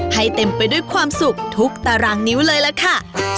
เต็มไปด้วยความสุขทุกตารางนิ้วเลยล่ะค่ะ